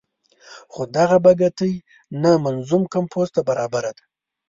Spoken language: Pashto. خو دغه بګتۍ نه منظوم کمپوز ته برابره ده.